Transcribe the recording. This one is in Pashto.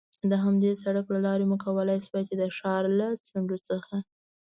د همدې سړک له لارې مو کولای شوای، چې د ښار له څنډو څخه.